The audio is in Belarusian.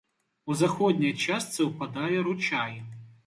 У заходняй частцы ўпадае ручай.